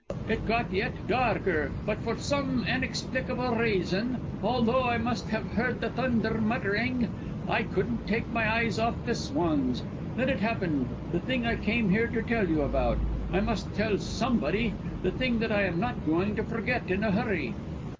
It got yet darker, but for some inexplicable reason, although I must have heard the thunder muttering, I couldn't take my eyes off the swans. Then it happened the thing I came here to tell you about; I must tell somebody the thing that I am not going to forget in a hurry."